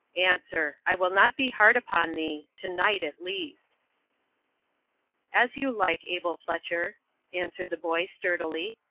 "Answer. I will not be hard upon thee to night, at least." "As you like, Abel Fletcher," answered the boy, sturdily.